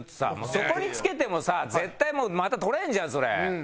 そこに付けてもさ絶対また取れるじゃんそれ。